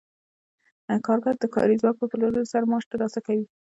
کارګر د کاري ځواک په پلورلو سره معاش ترلاسه کوي